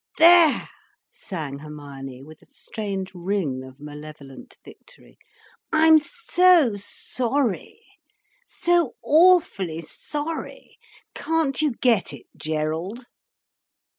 "There!" sang Hermione, with a strange ring of malevolent victory. "I'm so sorry, so awfully sorry. Can't you get it, Gerald?"